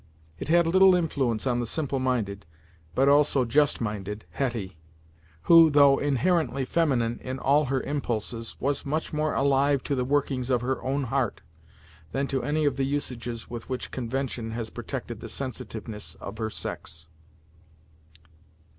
It had little influence on the simple minded, but also just minded Hetty, who, though inherently feminine in all her impulses, was much more alive to the workings of her own heart, than to any of the usages with which convention has protected the sensitiveness of her sex.